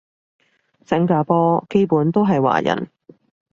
新加坡基本都係華人